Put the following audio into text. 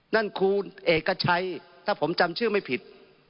นั่นครูเอกชัยถ้าผมจำชื่อไม่ผิด